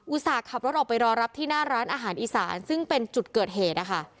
ส่าห์ขับรถออกไปรอรับที่หน้าร้านอาหารอีสานซึ่งเป็นจุดเกิดเหตุนะคะ